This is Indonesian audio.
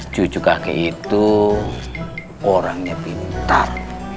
cucu kakek itu orangnya pintar